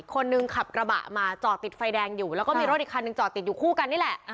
คนขับกระบะมาจอดติดไฟแดงอยู่แล้วก็มีรถอีกคันหนึ่งจอดติดอยู่คู่กันนี่แหละ